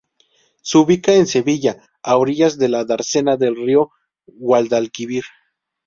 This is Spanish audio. Se ubica en Sevilla, a orillas de la dársena del río Guadalquivir.